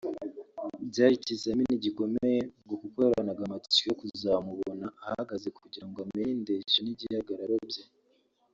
Byari ikizamini gikomeye ngo kuko yahoranaga amatsiko yo kuzamubona ahagaze kugira ngo amenye indeshyo n’igihagararo bye